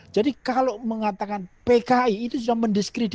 jadi kalau mengatakan pki itu sudah mendiskriminasi